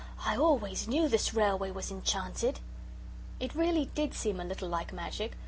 "I always knew this railway was enchanted." It really did seem a little like magic.